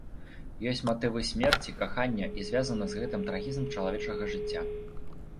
Ёсць матывы смерці, кахання і звязаны з гэтым трагізм чалавечага жыцця.